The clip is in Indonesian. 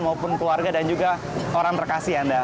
maupun keluarga dan juga orang terkasih anda